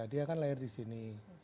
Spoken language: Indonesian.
dia kan lahir di sini